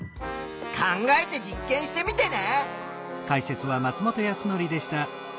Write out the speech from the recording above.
考えて実験してみてね。